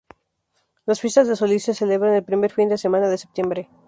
Las fiestas de Solís se celebran el primer fin de semana de septiembre.